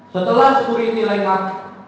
setelah kuri tilaikat